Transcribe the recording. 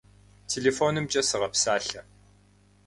Телефонымкӏэ сыгъэпсалъэ.